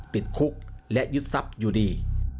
ติดคุกและยึดทรัพย์อยู่ดี